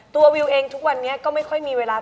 วิวเองทุกวันนี้ก็ไม่ค่อยมีเวลา